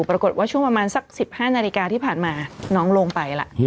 ปรากฏว่าช่วงประมาณสัก๑๕นาฬิกาที่ผ่านมาน้องลงไปล่ะ